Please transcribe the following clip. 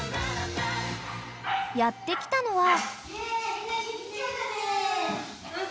［やって来たのは］